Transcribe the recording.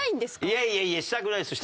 いやいやいやしたくないですよ